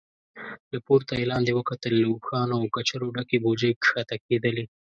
له پورته يې لاندې وکتل، له اوښانو او کچرو ډکې بوجۍ کښته کېدلې.